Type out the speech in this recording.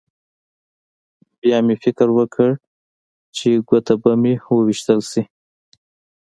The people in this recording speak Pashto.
بیا مې فکر وکړ چې ګوته به مې وویشتل شي